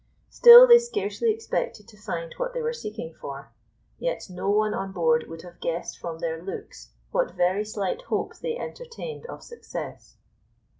Still they scarcely expected to find what they were seeking for; yet no one on board would have guessed from their looks what very slight hopes they entertained of success.